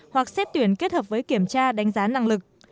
hoặc xét tuyển kết hợp với kiểm tra đánh giá năng lực